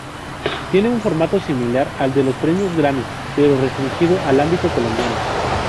Tienen un formato similar al de los premios Grammy, pero restringido al ámbito colombiano.